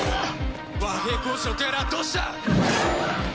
和平交渉とやらはどうした！？